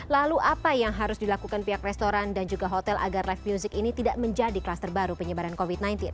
lalu apa yang harus dilakukan pihak restoran dan juga hotel agar live music ini tidak menjadi kluster baru penyebaran covid sembilan belas